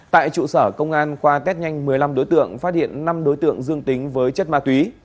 tại trụ sở công an qua test nhanh một mươi năm đối tượng phát hiện năm đối tượng dương tính với chất ma túy